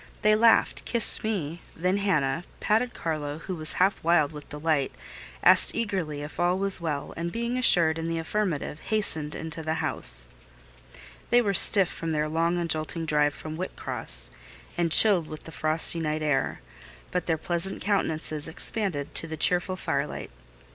They laughed—kissed me—then Hannah: patted Carlo, who was half wild with delight; asked eagerly if all was well; and being assured in the affirmative, hastened into the house. They were stiff with their long and jolting drive from Whitcross, and chilled with the frosty night air; but their pleasant countenances expanded to the cheerful firelight.